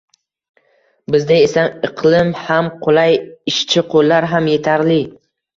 bizda esa iqlim ham qulay, ishchi qo‘llar ham yetarli.